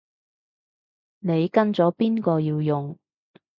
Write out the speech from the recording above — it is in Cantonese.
你跟咗邊個要用